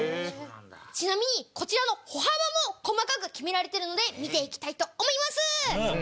ちなみにこちらの歩幅も細かく決められているので見ていきたいと思います！